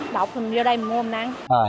đọc mình vô đây mình mua mình ăn